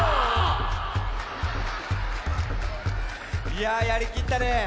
いややりきったね。